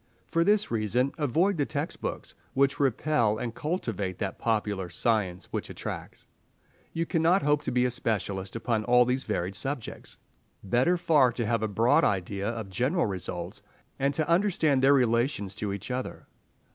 For this reason avoid the text books, which repel, and cultivate that popular science which attracts. You cannot hope to be a specialist upon all these varied subjects. Better far to have a broad idea of general results, and to understand their relations to each other.